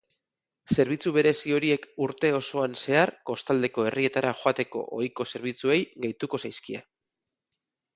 Zerbitzu berezi horiek urte osoan zehar kostaldeko herrietara joateko ohiko zerbitzuei gehituko zaizkie.